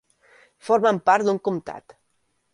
Formen part d'un comtat.